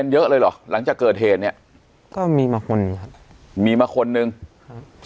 เยอะเลยเหรอหลังจากเกิดเหตุเนี้ยก็มีมาคนหนึ่งครับมีมาคนนึงครับ